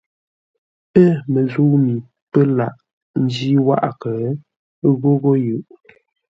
Ə̂ məzə̂u mi pə́ laghʼ ńjî wághʼə ghóghó yʉʼ.